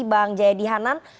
bang jayadi hanan